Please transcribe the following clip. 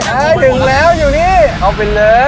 ถึงแล้วอยู่นี่